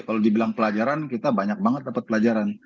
kalau dibilang pelajaran kita banyak banget dapat pelajaran